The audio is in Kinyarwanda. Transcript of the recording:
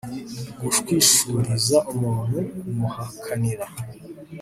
gushwishuriza umuntu kumuhakanira